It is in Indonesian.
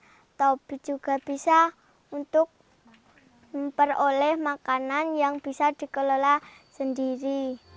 selain anak anak wintaus aksa juga bisa memperoleh makanan yang bisa dikelola sendiri